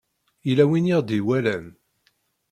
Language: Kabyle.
Yella win i ɣ-d-iwalan.